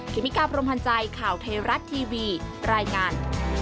เมกาพรมพันธ์ใจข่าวไทยรัฐทีวีรายงาน